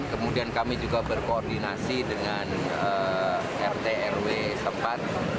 kemudian kami juga berkoordinasi dengan rt rw sempat